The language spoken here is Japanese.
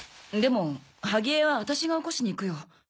でも萩江は私が起こしに行くよ。